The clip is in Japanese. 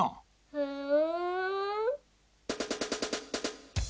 ふん。